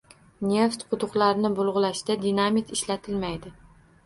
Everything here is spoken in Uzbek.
Neft quduqlarini burg`ilashda dinamit ishlatilmaydi